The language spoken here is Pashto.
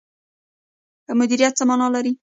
مدیریت څه مانا لري؟